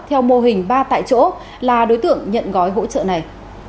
theo mô hình ba tại chỗ là đối tượng nhận gói hỗ trợ này